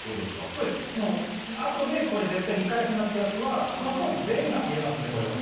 そうです「後でこれ絶対見返すな」ってやつはこのトーク全員が見れますんでこれを。